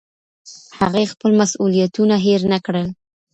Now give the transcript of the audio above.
هغې خپل مسوولیتونه هېر نه کړل.